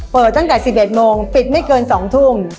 เปิดตั้งแต่๑๑โมงปิดไม่เกิน๒ทุ่ม